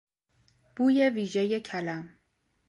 بوی ویژهی کلم